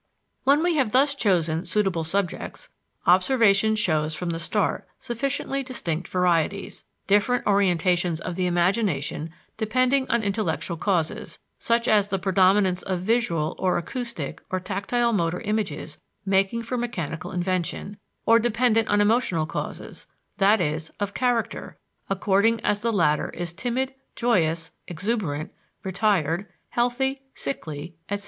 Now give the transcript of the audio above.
When we have thus chosen suitable subjects, observation shows from the start sufficiently distinct varieties, different orientations of the imagination depending on intellectual causes, such as the predominance of visual or acoustic or tactile motor images making for mechanical invention; or dependent on emotional causes, that is, of character, according as the latter is timid, joyous, exuberant, retired, healthy, sickly, etc.